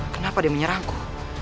kenapa dia menyerangku